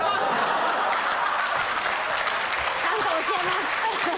ちゃんと教えます。